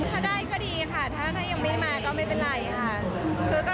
ถ้าได้ก็ดีค่ะถ้ายังไม่มาก็ไม่เป็นไรค่ะ